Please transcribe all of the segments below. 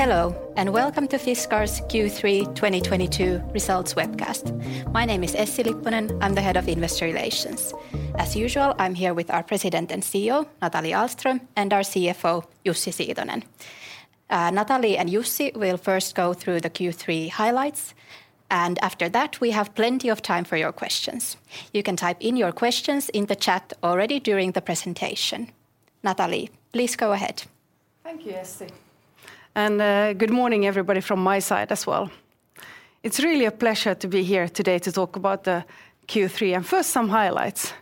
Hello, and welcome to Fiskars' Q3 2022 results webcast. My name is Essi Lipponen. I'm the Head of Investor Relations. As usual, I'm here with our President and CEO, Nathalie Ahlström, and our CFO, Jussi Siitonen. Nathalie and Jussi will first go through the Q3 highlights, and after that, we have plenty of time for your questions. You can type in your questions in the chat already during the presentation. Nathalie, please go ahead. Thank you, Essi. Good morning everybody from my side as well. It's really a pleasure to be here today to talk about the Q3. First, some highlights.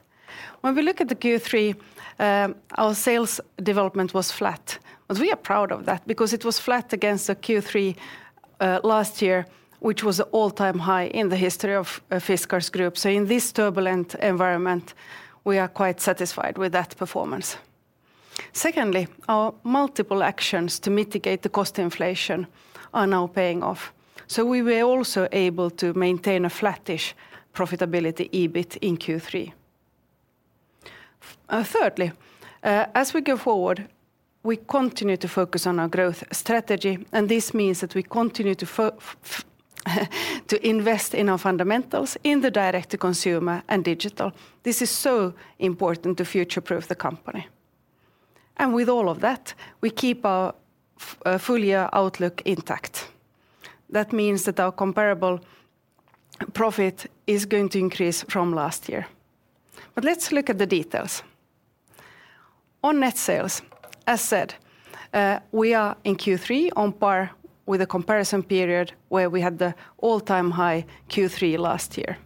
When we look at the Q3, our sales development was flat, but we are proud of that because it was flat against the Q3 last year, which was all-time high in the history of Fiskars Group. In this turbulent environment, we are quite satisfied with that performance. Secondly, our multiple actions to mitigate the cost inflation are now paying off, so we were also able to maintain a flattish profitability EBIT in Q3. Thirdly, as we go forward, we continue to focus on our growth strategy, and this means that we continue to invest in our fundamentals in the direct-to-consumer and digital. This is so important to future-proof the company. With all of that, we keep our full year outlook intact. That means that our comparable profit is going to increase from last year. Let's look at the details. On net sales, as said, we are in Q3 on par with the comparison period where we had the all-time high Q3 last year.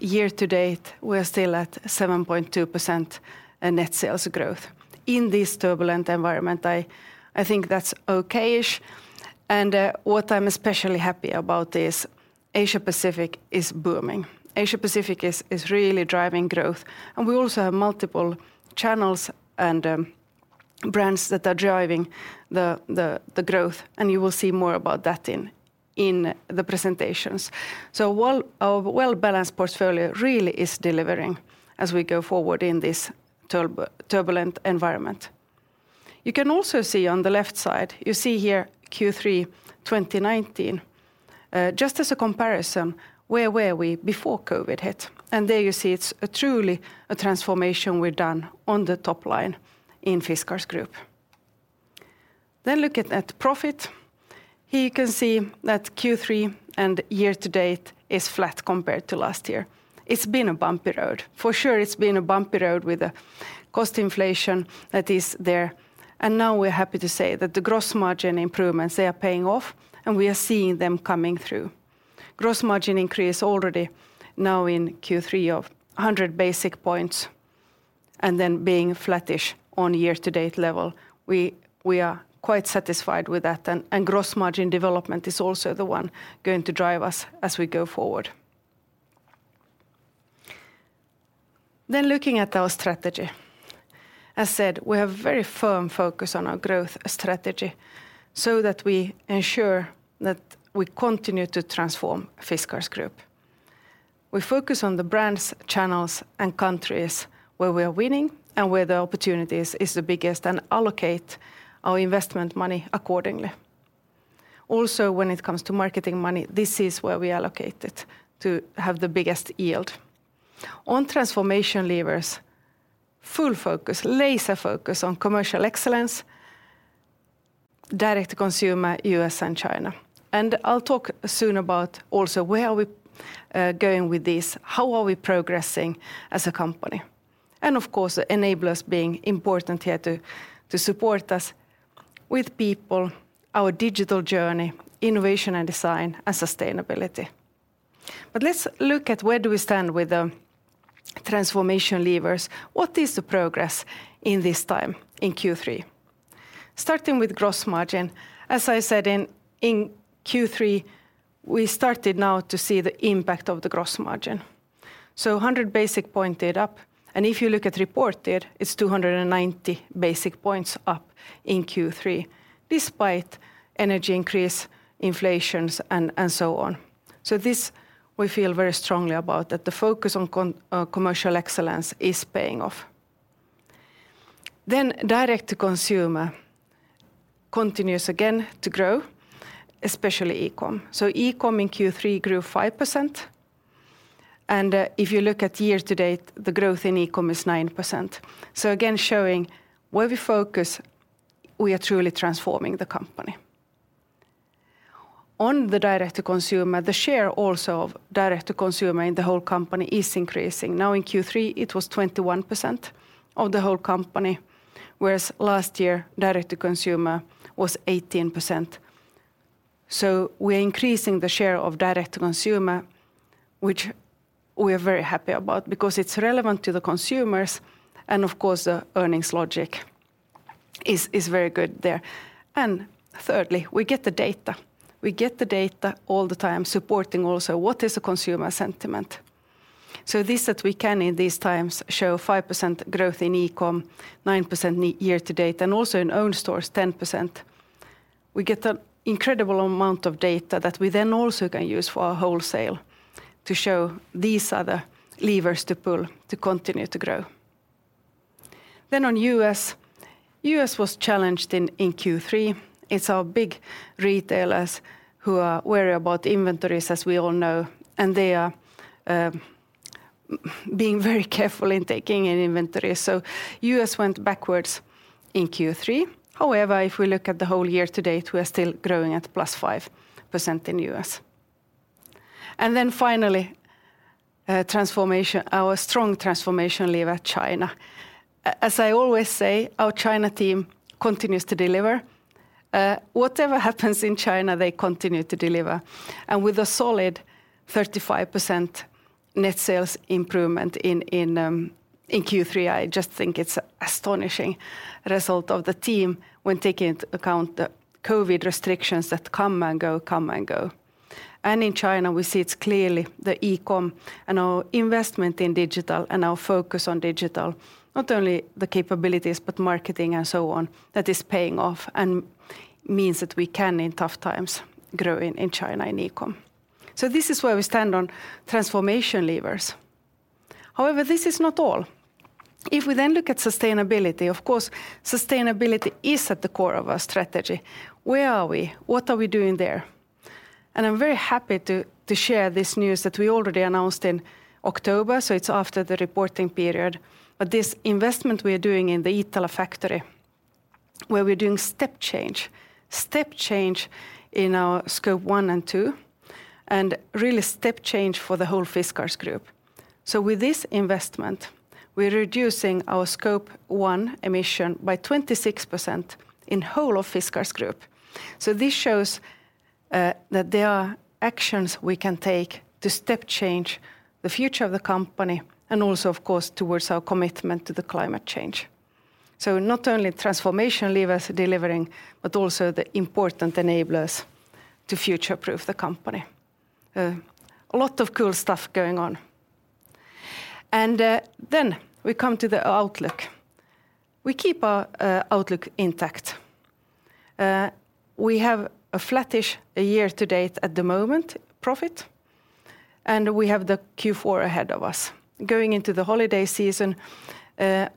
Year to date, we're still at 7.2% in net sales growth. In this turbulent environment, I think that's okay-ish and what I'm especially happy about is Asia Pacific is booming. Asia Pacific is really driving growth and we also have multiple channels and brands that are driving the growth and you will see more about that in the presentations. Our well-balanced portfolio really is delivering as we go forward in this turbulent environment. You can also see on the left side, you see here Q3 2019, just as a comparison, where were we before COVID hit? There you see it's truly a transformation we've done on the top line in Fiskars Group. Look at profit. Here you can see that Q3 and year to date is flat compared to last year. It's been a bumpy road. For sure, it's been a bumpy road with the cost inflation that is there, and now we're happy to say that the gross margin improvements, they are paying off and we are seeing them coming through. Gross margin increase already now in Q3 of 100 basis points and then being flattish on year to date level. We are quite satisfied with that and gross margin development is also the one going to drive us as we go forward. Looking at our strategy. As said, we have very firm focus on our growth strategy so that we ensure that we continue to transform Fiskars Group. We focus on the brands, channels, and countries where we are winning and where the opportunities is the biggest and allocate our investment money accordingly. Also, when it comes to marketing money, this is where we allocate it to have the biggest yield. On transformation levers, full focus, laser focus on commercial excellence, direct-to-consumer U.S. and China. I'll talk soon about also where are we going with this? How are we progressing as a company? Of course, enablers being important here to support us with people, our digital journey, innovation and design, and sustainability. Let's look at where we stand with the transformation levers. What is the progress in this time in Q3? Starting with gross margin, as I said in Q3, we started now to see the impact of the gross margin. 100 basis points up, and if you look at reported, it's 290 basis points up in Q3, despite energy increases, inflation, and so on. This we feel very strongly about, that the focus on commercial excellence is paying off. direct-to-consumer continues again to grow, especially e-com. e-com in Q3 grew 5%, and if you look at year to date, the growth in e-com is 9%. Again, showing where we focus, we are truly transforming the company. On the direct-to-consumer, the share also of direct-to-consumer in the whole company is increasing. Now in Q3, it was 21% of the whole company, whereas last year, direct-to-consumer was 18%. We're increasing the share of direct-to-consumer, which we are very happy about because it's relevant to the consumers and of course the earnings logic is very good there. Thirdly, we get the data. We get the data all the time supporting also what is the consumer sentiment. This that we can in these times show 5% growth in e-com, 9% in the year to date, and also in own stores, 10%. We get an incredible amount of data that we then also can use for our wholesale to show these are the levers to pull to continue to grow. On U.S. was challenged in Q3. It's our big retailers who are wary about inventories, as we all know, and they are being very careful in taking an inventory. U.S. went backwards in Q3. However, if we look at the whole year to date, we are still growing at +5% in US. Finally, transformation, our strong transformation lever, China. As I always say, our China team continues to deliver. Whatever happens in China, they continue to deliver. With a solid 35% net sales improvement in Q3, I just think it's astonishing result of the team when taking into account the COVID restrictions that come and go. In China, we see it's clearly the e-com and our investment in digital and our focus on digital, not only the capabilities, but marketing and so on, that is paying off and means that we can, in tough times, grow in China in e-com. This is where we stand on transformation levers. However, this is not all. If we then look at sustainability, of course, sustainability is at the core of our strategy. Where are we? What are we doing there? I'm very happy to share this news that we already announced in October, so it's after the reporting period. This investment we are doing in the Iittala factory, where we're doing step change in our Scope 1 and 2, and really step change for the whole Fiskars Group. With this investment, we're reducing our Scope 1 emission by 26% in whole of Fiskars Group. This shows that there are actions we can take to step change the future of the company and also of course towards our commitment to the climate change. Not only transformation levers delivering, but also the important enablers to future-proof the company. A lot of cool stuff going on. Then we come to the outlook. We keep our outlook intact. We have a flattish year-to-date at the moment profit, and we have the Q4 ahead of us. Going into the holiday season,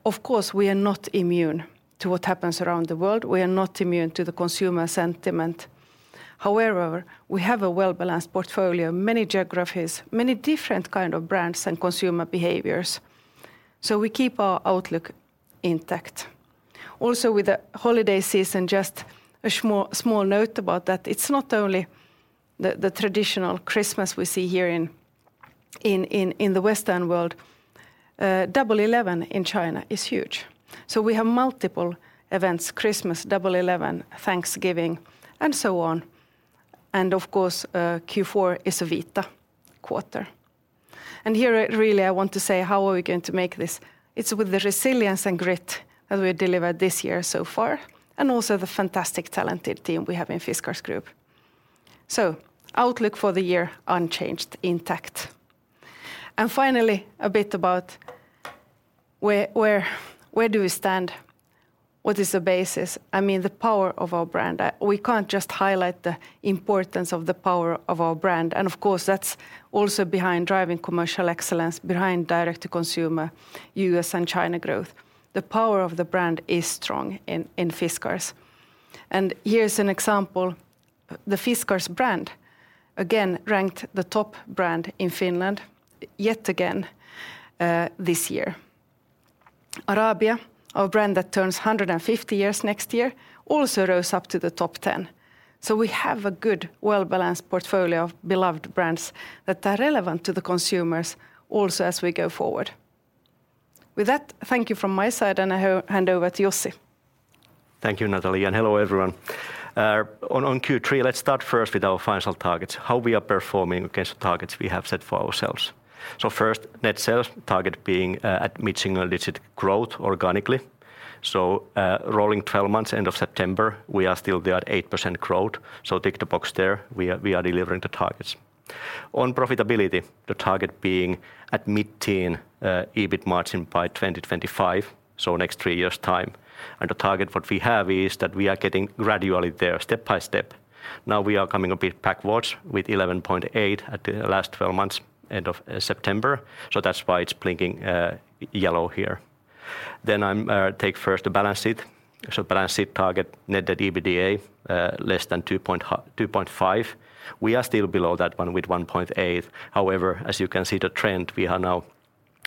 of course, we are not immune to what happens around the world. We are not immune to the consumer sentiment. However, we have a well-balanced portfolio, many geographies, many different kind of brands and consumer behaviors, so we keep our outlook intact. Also, with the holiday season, just a small note about that. It's not only the traditional Christmas we see here in the Western world. Double 11 in China is huge. We have multiple events, Christmas, Double 11, Thanksgiving, and so on. Of course, Q4 is a vital quarter. Here, really, I want to say, how are we going to make this? It's with the resilience and grit that we delivered this year so far, and also the fantastic talented team we have in Fiskars Group. Outlook for the year unchanged, intact. Finally, a bit about where do we stand? What is the basis? I mean, the power of our brand. We can't just highlight the importance of the power of our brand. Of course, that's also behind driving commercial excellence, behind direct-to-consumer, U.S. and China growth. The power of the brand is strong in Fiskars. Here's an example. The Fiskars brand, again, ranked the top brand in Finland yet again, this year. Arabia, our brand that turns 150 years next year, also rose up to the top 10. We have a good well-balanced portfolio of beloved brands that are relevant to the consumers also as we go forward. With that, thank you from my side, and I hand over to Jussi. Thank you, Nathalie, and hello, everyone. On Q3, let's start first with our financial targets, how we are performing against the targets we have set for ourselves. First, net sales target being at mid-single digit growth organically. Rolling 12 months, end of September, we are still there at 8% growth. Tick the box there. We are delivering the targets. On profitability, the target being at mid-teen EBIT margin by 2025, next three years' time. The target what we have is that we are getting gradually there step by step. Now we are coming a bit backwards with 11.8% at the last 12 months, end of September. That's why it's blinking yellow here. Then I take first the balance sheet. Balance sheet target, net debt to EBITDA, less than 2.5. We are still below that one with 1.8. However, as you can see the trend, we are now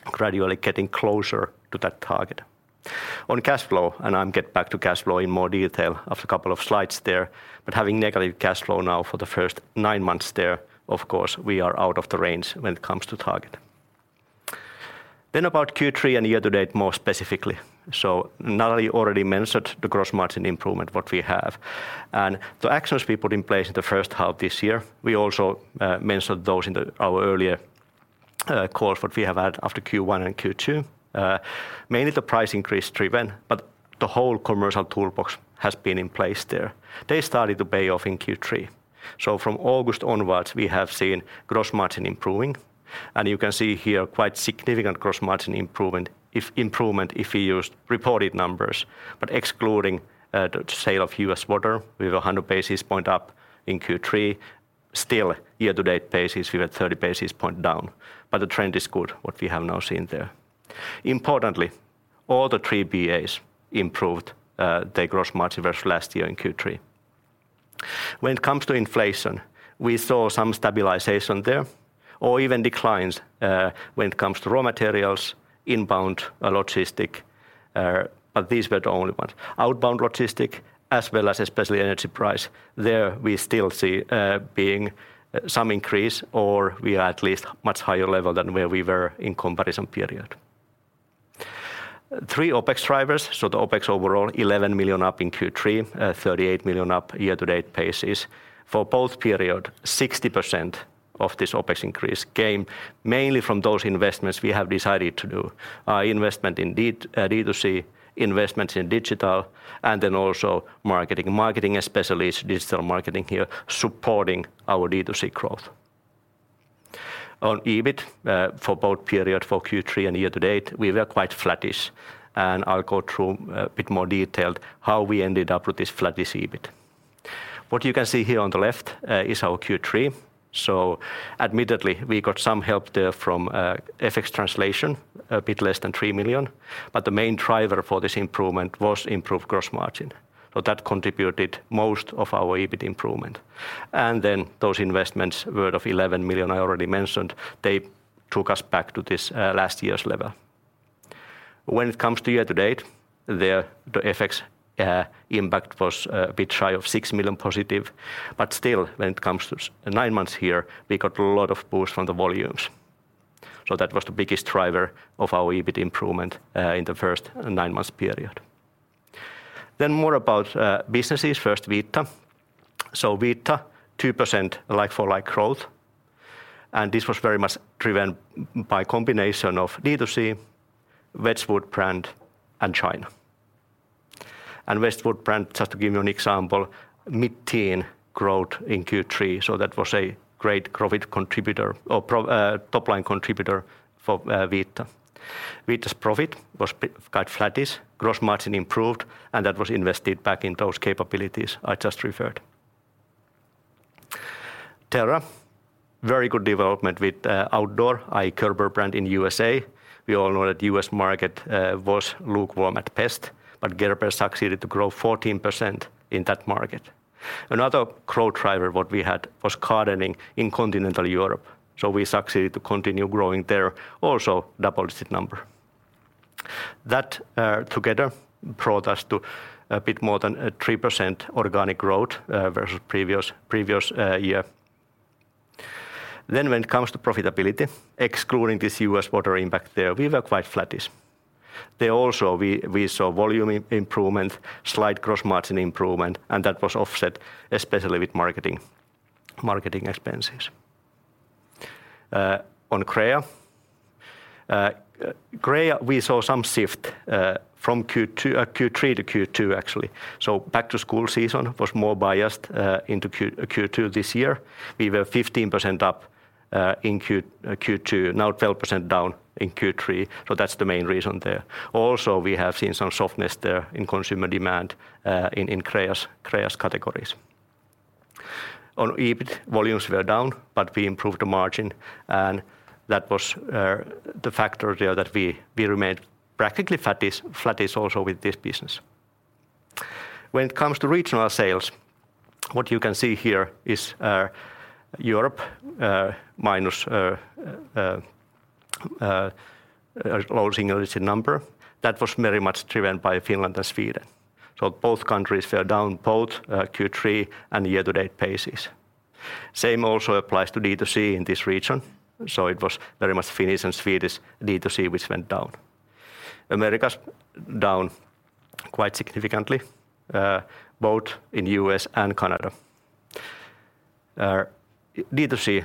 gradually getting closer to that target. On cash flow, and I'll get back to cash flow in more detail after a couple of slides there, but having negative cash flow now for the first nine months there, of course, we are out of the range when it comes to target. About Q3 and year to date more specifically. Nathalie already mentioned the gross margin improvement that we have. The actions we put in place in the first half this year, we also mentioned those in our earlier calls that we have had after Q1 and Q2. Mainly the price increase driven, but the whole commercial toolbox has been in place there. They started to pay off in Q3. From August onwards, we have seen gross margin improving. You can see here quite significant gross margin improvement if we used reported numbers. Excluding the sale of U.S. Water, we were 100 basis points up in Q3. Still, year-to-date, we were 30 basis points down, but the trend is good that we have now seen there. Importantly, all three BAs improved their gross margin versus last year in Q3. When it comes to inflation, we saw some stabilization there or even declines when it comes to raw materials, inbound logistics, but these were the only ones. Outbound logistics as well as especially energy prices, there we still see being some increase or we are at least much higher level than where we were in comparison period. Three OpEx drivers. The OpEx overall, 11 million up in Q3, 38 million up year-to-date basis. For both periods, 60% of this OpEx increase came mainly from those investments we have decided to do. Investment in D2C, investments in digital, and then also marketing. Marketing especially is digital marketing here supporting our D2C growth. On EBIT, for both periods, for Q3 and year-to-date, we were quite flattish. I'll go through a bit more detailed how we ended up with this flattish EBIT. What you can see here on the left is our Q3. Admittedly, we got some help there from FX translation, a bit less than 3 million, but the main driver for this improvement was improved gross margin. That contributed most of our EBIT improvement. Those investments were 11 million I already mentioned. They took us back to this last year's level. When it comes to year to date, there the FX impact was a bit shy of 6 million positive. Still, when it comes to nine months here, we got a lot of boost from the volumes. That was the biggest driver of our EBIT improvement in the first nine months period. More about businesses. First, Vita. Vita, 2% like-for-like growth, and this was very much driven by combination of D2C, Wedgwood brand, and China. Wedgwood brand, just to give you an example, mid-teen growth in Q3, so that was a great profit contributor or top line contributor for Vita. Vita's profit was quite flattish. Gross margin improved, and that was invested back in those capabilities I just referred. Terra, very good development with outdoor, i.e. Gerber brand in USA. We all know that U.S. market was lukewarm at best, but Gerber succeeded to grow 14% in that market. Another growth driver what we had was gardening in Continental Europe. So we succeeded to continue growing there, also double-digit number. That together brought us to a bit more than 3% organic growth versus previous year. When it comes to profitability, excluding this U.S. Water impact there, we were quite flattish. There also we saw volume improvement, slight gross margin improvement, and that was offset especially with marketing expenses. On Crea. Crea, we saw some shift from Q3 to Q2 actually. Back to school season was more biased into Q2 this year. We were 15% up in Q2, now 12% down in Q3, so that's the main reason there. Also, we have seen some softness there in consumer demand in Crea's categories. On EBIT, volumes were down, but we improved the margin, and that was the factor there that we remained practically flattish also with this business. When it comes to regional sales, what you can see here is Europe minus losing a decent number. That was very much driven by Finland and Sweden. Both countries were down both Q3 and year-to-date basis. Same also applies to D2C in this region, so it was very much Finnish and Swedish D2C which went down. Americas down quite significantly both in U.S. and Canada. D2C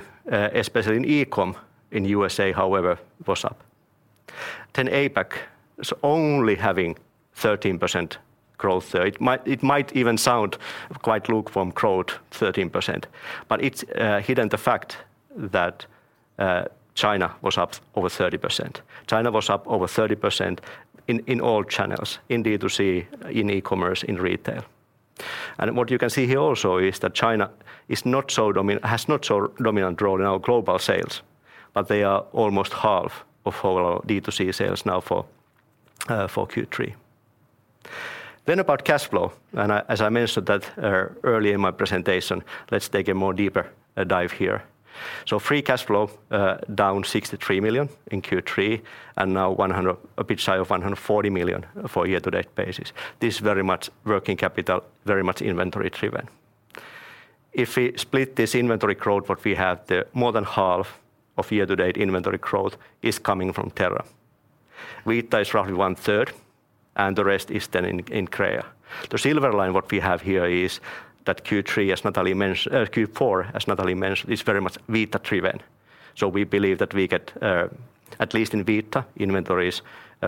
especially in e-com in USA, however, was up. APAC is only having 13% growth there. It might even sound quite lukewarm growth, 13%, but it's hidden the fact that China was up over 30%. China was up over 30% in all channels, in D2C, in e-commerce, in retail. What you can see here also is that China has not so dominant role in our global sales, but they are almost 1/2 of our D2C sales now for Q3. About cash flow, and as I mentioned that, earlier in my presentation, let's take a more deeper dive here. Free cash flow down 63 million in Q3 and now a bit shy of 140 million for year-to-date basis. This very much working capital, very much inventory driven. If we split this inventory growth, what we have there, more than 1/2 of year-to-date inventory growth is coming from Terra. Vita is roughly 1/3, and the rest is then in Crea. The silver lining what we have here is that Q3, as Nathalie mentioned, Q4, as Nathalie mentioned, is very much Vita driven. We believe that we get at least in Vita inventories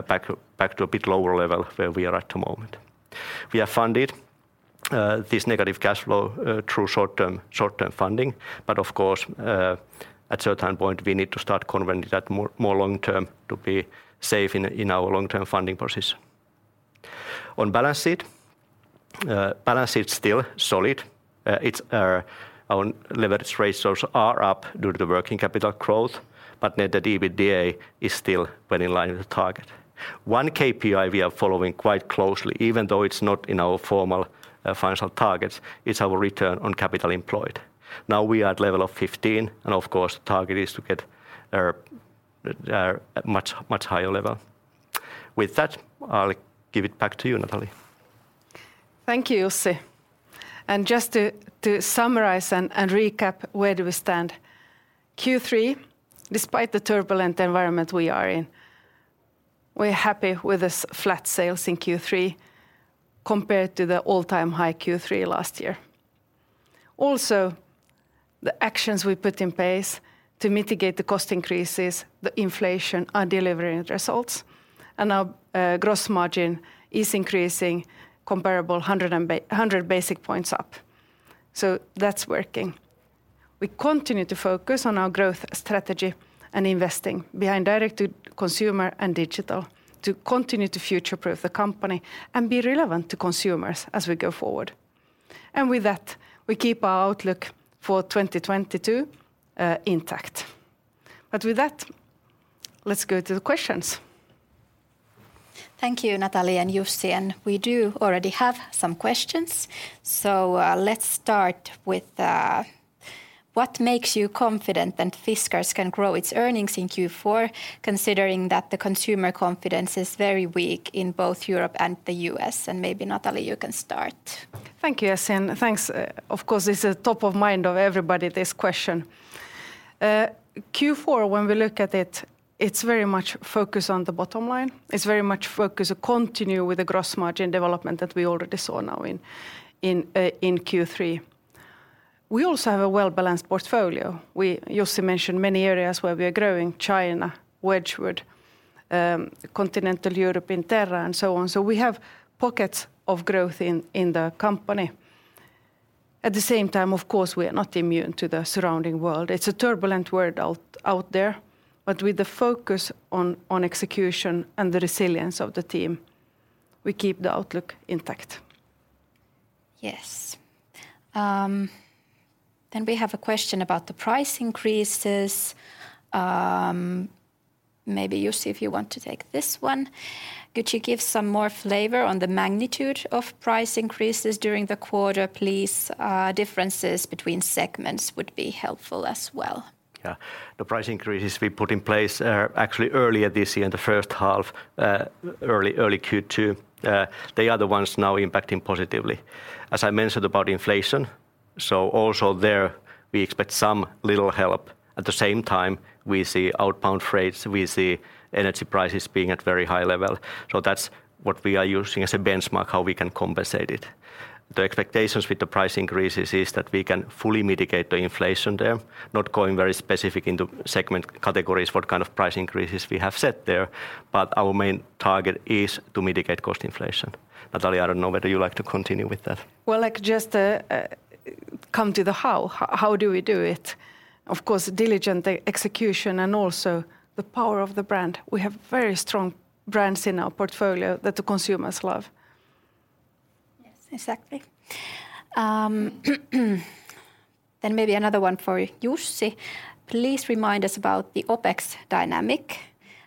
back to a bit lower level where we are at the moment. We have funded this negative cash flow through short-term funding. Of course, at a certain point we need to start converting that more long-term to be safe in our long-term funding process. On balance sheet, balance sheet's still solid. It's our leverage ratios are up due to the working capital growth, but net debt to EBITDA is still well in line with the target. One KPI we are following quite closely, even though it's not in our formal financial targets, it's our return on capital employed. Now we are at level of 15%, and of course the target is to get ours at much higher level. With that, I'll give it back to you, Nathalie. Thank you, Jussi. Just to summarize and recap where we stand. Q3, despite the turbulent environment we are in, we're happy with the flat sales in Q3 compared to the all-time high Q3 last year. Also, the actions we put in place to mitigate the cost increases, the inflation are delivering results. Our gross margin is increasing comparable 100 basis points up. That's working. We continue to focus on our growth strategy and investing behind direct-to-consumer and digital to continue to future-proof the company and be relevant to consumers as we go forward. With that, we keep our outlook for 2022 intact. With that, let's go to the questions. Thank you, Nathalie and Jussi. We do already have some questions. Let's start with what makes you confident that Fiskars can grow its earnings in Q4 considering that the consumer confidence is very weak in both Europe and the U.S.? Maybe Nathalie, you can start. Thank you, Essi, and thanks. Of course, it's top of mind for everybody, this question. Q4 when we look at it's very much focused on the bottom line. It's very much focused on continuing with the gross margin development that we already saw now in Q3. We also have a well-balanced portfolio. Jussi mentioned many areas where we are growing China, Wedgwood, Continental Europe, in Terra, and so on. We have pockets of growth in the company. At the same time, of course, we are not immune to the surrounding world. It's a turbulent world out there. With the focus on execution and the resilience of the team, we keep the outlook intact. Yes. We have a question about the price increases. Maybe Jussi if you want to take this one. Could you give some more flavor on the magnitude of price increases during the quarter, please? Differences between segments would be helpful as well. Yeah. The price increases we put in place are actually earlier this year in the first half, early Q2. They are the ones now impacting positively. As I mentioned about inflation, so also there we expect some little help. At the same time, we see outbound freights, we see energy prices being at very high level. That's what we are using as a benchmark how we can compensate it. The expectations with the price increases is that we can fully mitigate the inflation there. Not going very specific into segment categories what kind of price increases we have set there, but our main target is to mitigate cost inflation. Nathalie, I don't know whether you'd like to continue with that. Well, I could just come to the how. How do we do it? Of course, diligent execution and also the power of the brand. We have very strong brands in our portfolio that the consumers love. Yes, exactly. Maybe another one for Jussi. Please remind us about the OpEx dynamic.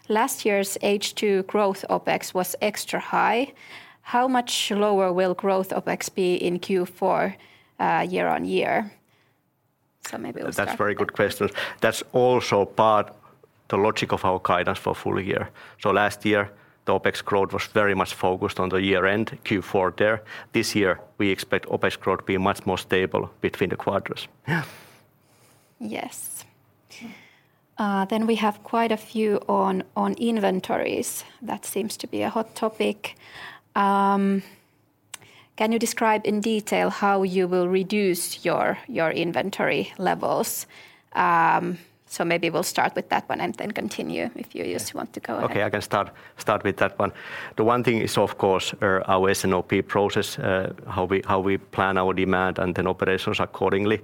Last year's H2 growth OpEx was extra high. How much lower will growth OpEx be in Q4, year on year? Maybe we'll start with that. That's very good question. That's also part the logic of our guidance for full year. Last year, the OpEx growth was very much focused on the year-end, Q4 there. This year, we expect OpEx growth to be much more stable between the quarters. Yeah. Yes. We have quite a few on inventories. That seems to be a hot topic. Can you describe in detail how you will reduce your inventory levels? Maybe we'll start with that one and then continue if you, Jussi, want to go ahead. Okay, I can start with that one. The one thing is of course our S&OP process, how we plan our demand and then operations accordingly.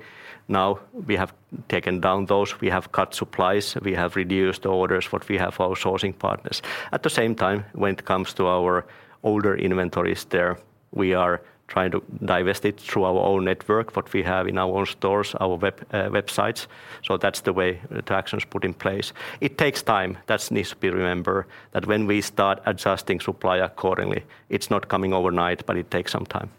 Now we have taken down those. We have cut supplies. We have reduced orders with our sourcing partners. At the same time, when it comes to our older inventories there, we are trying to divest it through our own network, what we have in our own stores, our websites. That's the way the action's put in place. It takes time. That needs to be remembered, that when we start adjusting supply accordingly, it's not coming overnight, but it takes some time.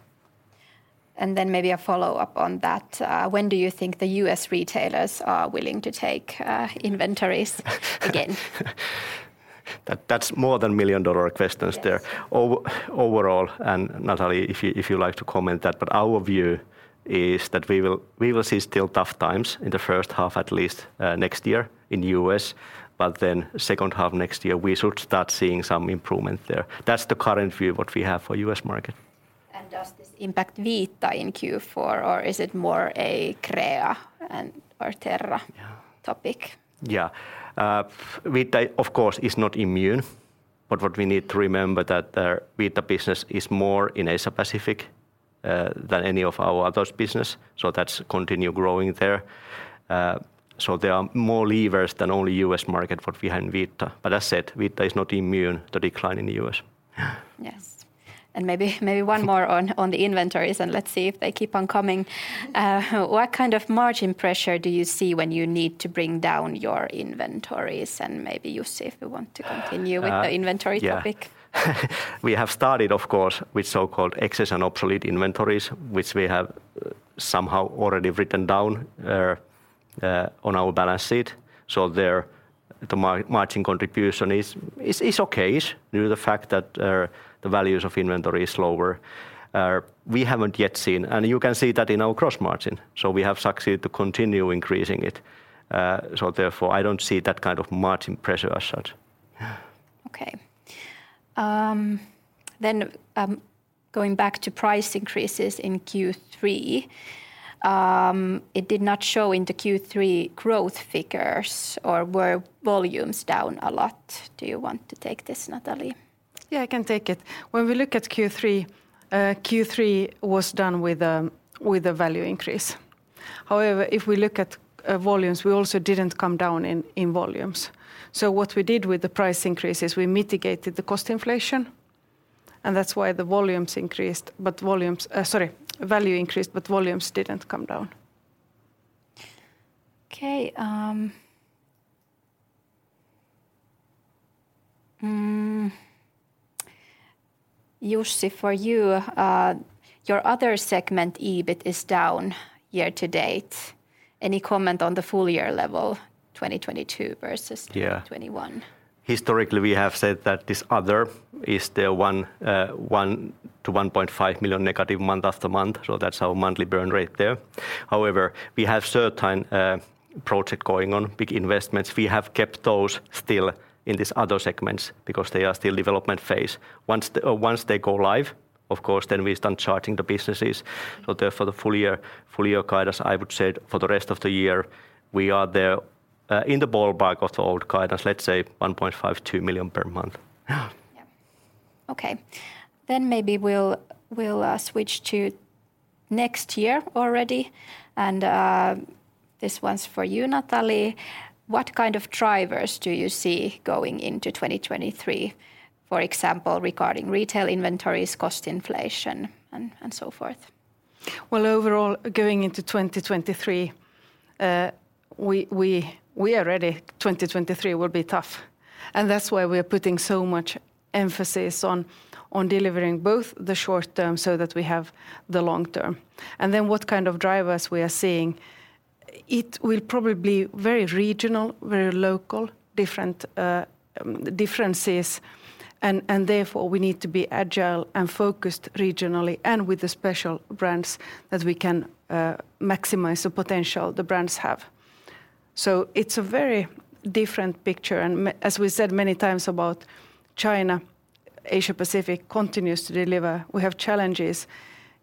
Then maybe a follow-up on that. When do you think the U.S. retailers are willing to take inventories again? That's more than million-dollar questions there. Yes. Overall, Nathalie Ahlström if you like to comment that, but our view is that we will see still tough times in the first half at least next year in U.S. Second half next year we should start seeing some improvement there. That's the current view what we have for U.S. market. Does this impact Vita in Q4 or is it more a Crea and/or Terra? Yeah. Vita, of course, is not immune, but what we need to remember that our Vita business is more in Asia Pacific than any of our other business, so it's continuing to grow there. There are more levers than only U.S. market behind Vita. As said, Vita is not immune to decline in the U.S. Yes. Maybe one more on the inventories, and let's see if they keep on coming. What kind of margin pressure do you see when you need to bring down your inventories? Maybe Jussi, if you want to continue. Uh with the inventory topic. Yeah. We have started, of course, with so-called excess and obsolete inventories, which we have somehow already written down, on our balance sheet. There the margin contribution is okay due to the fact that, the values of inventory is lower. We haven't yet seen. You can see that in our gross margin. We have succeeded to continue increasing it. Therefore I don't see that kind of margin pressure as such. Okay. Going back to price increases in Q3, it did not show in the Q3 growth figures. Were volumes down a lot? Do you want to take this, Nathalie? Yeah, I can take it. When we look at Q3 was done with a value increase. However, if we look at volumes, we also didn't come down in volumes. What we did with the price increase is we mitigated the cost inflation, and that's why the volumes increased, but value increased, but volumes didn't come down. Jussi, for you, your other segment EBIT is down year-to-date. Any comment on the full year level, 2022 versus- Yeah 2021? Historically, we have said that this other is the 1 million-1.5 million negative month after month, so that's our monthly burn rate there. However, we have certain project going on, big investments. We have kept those still in this other segments because they are still development phase. Once they go live, of course, then we start charging the businesses. Therefore the full year guidance, I would say for the rest of the year, we are there in the ballpark of the old guidance. Let's say 1.5 million- 2 million per month. Yeah. Okay. Maybe we'll switch to next year already, and this one's for you, Nathalie. What kind of drivers do you see going into 2023? For example, regarding retail inventories, cost inflation, and so forth. Well, overall, going into 2023, we are ready. 2023 will be tough, and that's why we're putting so much emphasis on delivering both the short term so that we have the long term. Then what kind of drivers we are seeing, it will probably be very regional, very local, different, differences. Therefore we need to be agile and focused regionally and with the special brands that we can maximize the potential the brands have. It's a very different picture, and as we said many times about China, Asia Pacific continues to deliver. We have challenges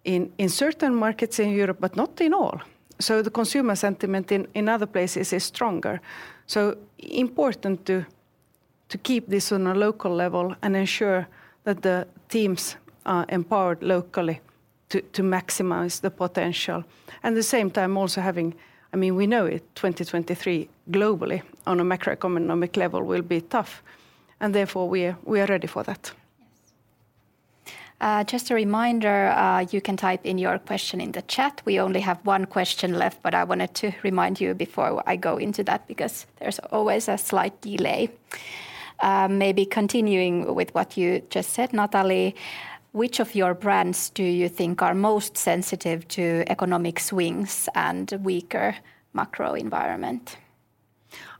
in certain markets in Europe, but not in all. The consumer sentiment in other places is stronger. Important to keep this on a local level and ensure that the teams are empowered locally to maximize the potential. At the same time also having, I mean, we know it. 2023 globally on a macroeconomic level will be tough, and therefore we are ready for that. Yes. Just a reminder, you can type in your question in the chat. We only have one question left, but I wanted to remind you before I go into that because there's always a slight delay. Maybe continuing with what you just said, Nathalie, which of your brands do you think are most sensitive to economic swings and weaker macro environment?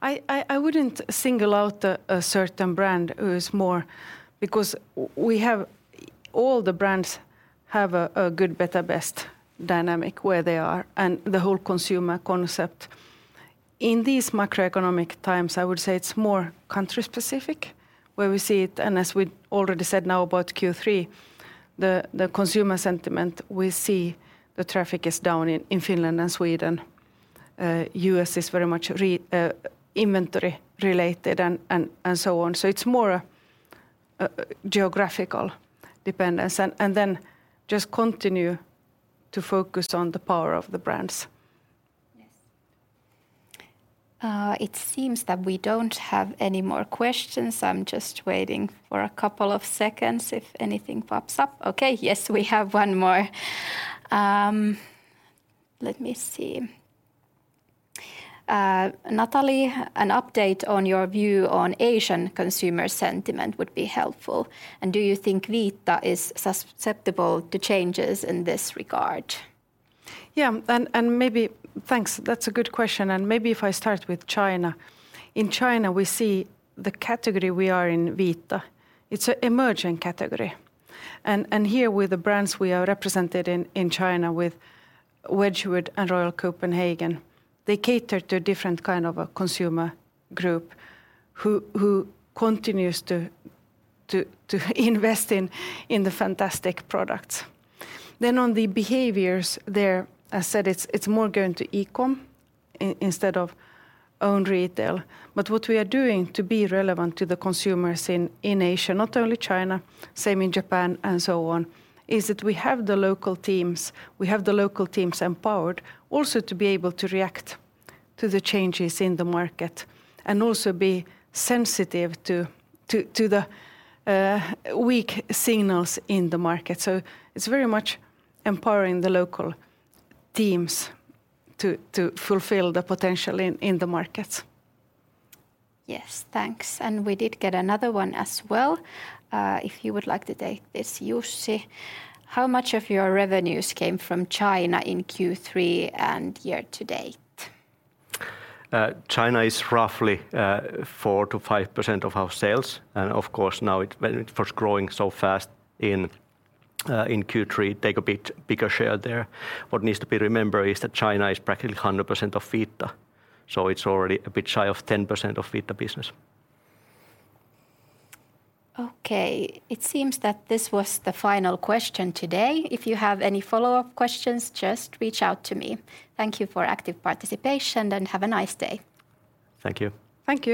I wouldn't single out a certain brand who's more because we have all the brands have a good, better, best dynamic where they are and the whole consumer concept. In these macroeconomic times, I would say it's more country specific where we see it. As we already said now about Q3, the consumer sentiment we see the traffic is down in Finland and Sweden. U.S. is very much inventory related and so on. It's more a geographical dependence. Then just continue to focus on the power of the brands. Yes. It seems that we don't have any more questions. I'm just waiting for a couple of seconds if anything pops up. Okay, yes, we have one more. Let me see. Nathalie, an update on your view on Asian consumer sentiment would be helpful. Do you think Vita is susceptible to changes in this regard? Yeah. Thanks. That's a good question. Maybe if I start with China. In China, we see the category we are in Vita. It's an emerging category. Here with the brands we are represented in China with Wedgwood and Royal Copenhagen, they cater to a different kind of consumer group who continues to invest in the fantastic products. Then on the behaviors there, as said, it's more going to e-com instead of own retail. What we are doing to be relevant to the consumers in Asia, not only China, same in Japan and so on, is that we have the local teams empowered also to be able to react to the changes in the market and also be sensitive to the weak signals in the market. It's very much empowering the local teams to fulfill the potential in the markets. Yes. Thanks. We did get another one as well, if you would like to take this, Jussi. How much of your revenues came from China in Q3 and year-to-date? China is roughly 4%-5% of our sales, and of course, when it's growing so fast in Q3, it takes a bit bigger share there. What needs to be remembered is that China is practically 100% of Vita, so it's already a bit shy of 10% of Vita business. Okay. It seems that this was the final question today. If you have any follow-up questions, just reach out to me. Thank you for active participation, and have a nice day. Thank you. Thank you.